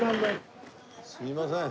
すいません。